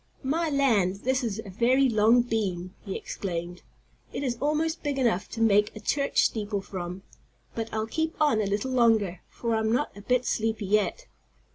"My land, this is a very long beam," he exclaimed. "It is almost big enough to make a church steeple from. But I'll keep on a little longer, for I'm not a bit sleepy yet."